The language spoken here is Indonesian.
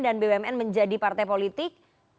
dan bumn menjadi partai politik